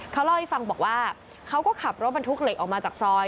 เขาเล่าให้ฟังบอกว่าเขาก็ขับรถบรรทุกเหล็กออกมาจากซอย